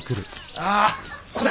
ああ。